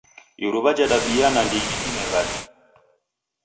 Iruw'a jhadabia nandighi dimeghadi